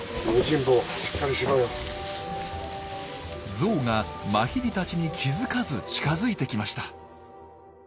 ゾウがマヒリたちに気付かず近づいてきました。